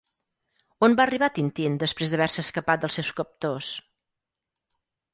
On va arribar Tintín després d'haver-se escapat dels seus captors?